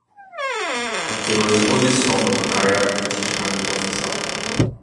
He was the only son of a career British Army officer.